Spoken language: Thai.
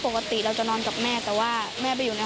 หรือว่าอยากเข้าไปนอนกับแม่แต่เขาไม่ให้เข้าไป